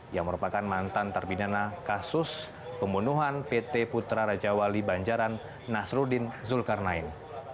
yang merupakan mantan terpidana kasus pembunuhan pt putra raja wali banjaran nasruddin zulkarnain